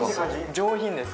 上品です